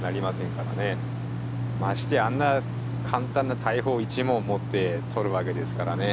ましてやあんな簡単な大砲一門持って獲るわけですからね。